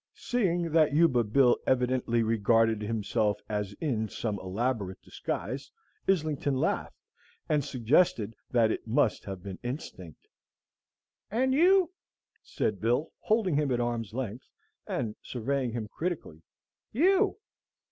Seeing that Yuba Bill evidently regarded himself as in some elaborate disguise, Islington laughed, and suggested that it must have been instinct. "And you?" said Bill, holding him at arm's length, and surveying him critically, "you!